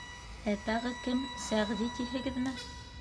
— Ә тағы кем, Сәғди, тиһегеҙме?